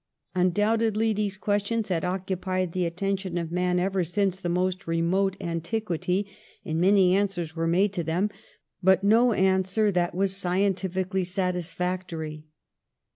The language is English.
Undoubtedly these questions had occupied the attention of man ever since the most remote antiquity, and many 48 PASTEUR answers were made to them, but no answer that was scientifically satisfactory.